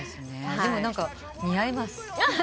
でも何か似合います。